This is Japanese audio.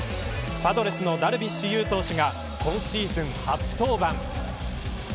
パドレスのダルビッシュ有投手が先ほど今シーズン初登板。